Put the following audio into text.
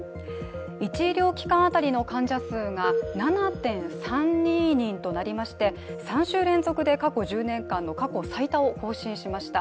１医療機関当たりの患者数が７．３２人となりまして、３週連続で過去１０年間の過去最多を更新しました。